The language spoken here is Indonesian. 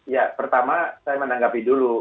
ya pertama saya menanggapi dulu